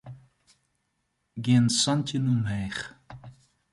Gean santjin omheech.